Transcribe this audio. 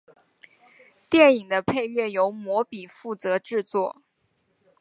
电影的配乐由魔比负责制作。